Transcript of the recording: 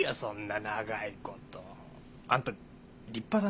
あんた立派だな。